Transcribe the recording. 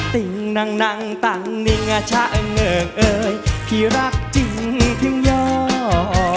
ติ้งนั่งนั่งต่างดิงอาชะเงิงเอ่ยพี่รักจริงถึงยอด